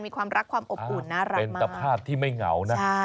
มีความรักความอบอุ่นน่ารักเป็นตภาพที่ไม่เหงานะ